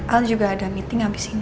al juga ada meeting habis ini